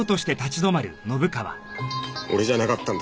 俺じゃなかったんだ。